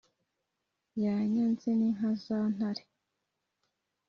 yanyaze ni nka za ntare,